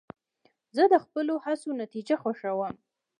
زه د خپلو هڅو نتیجه خوښوم.